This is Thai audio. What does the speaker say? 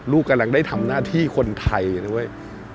ลูกกำลังได้ทำหน้าที่คนไทยนะเว้ย